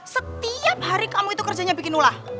setiap hari kamu itu kerjanya bikin ulah